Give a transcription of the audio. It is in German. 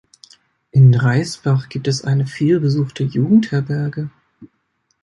In Dreisbach gibt es eine vielbesuchte Jugendherberge.